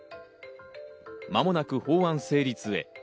間もなく法案成立へ。